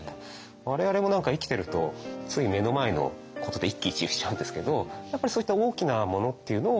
我々も何か生きてるとつい目の前のことで一喜一憂しちゃうんですけどやっぱりそういった大きなものっていうのを